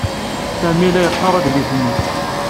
Sami la yeqqar adlis-nni.